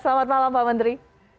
selamat malam pak menteri